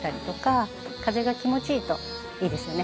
風が気持ちいいといいですよね。